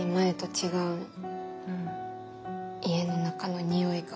家の中のにおいが。